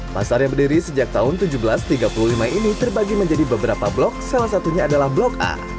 pasar yang berdiri sejak tahun seribu tujuh ratus tiga puluh lima ini terbagi menjadi beberapa blok salah satunya adalah blok a